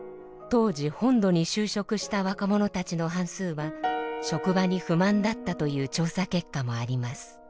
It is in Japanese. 当時本土に就職した若者たちの半数は職場に不満だったという調査結果もあります。